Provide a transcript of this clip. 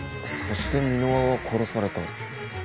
そして箕輪は殺された。